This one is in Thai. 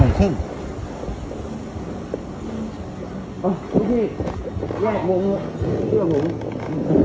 อ่ะพี่พี่แหละโมงโมงเชื่อผม